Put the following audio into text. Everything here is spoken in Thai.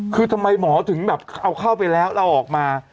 คือทำไมหมอถึงแบบเอาเข้าไปแล้วแล้วออกมา